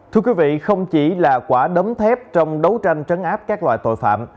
thưa quý vị không chỉ là quả đấm thép trong đấu tranh trấn áp các loại tội phạm